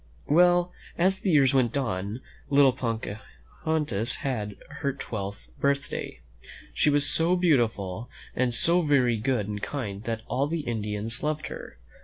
Well, as the years went on, little Pocahontas had her twelfth birthday. She was so beautiful, and so very good and kind, that all the Indians loved her.